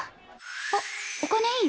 あっお金いいよ。